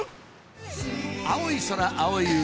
青い空青い海！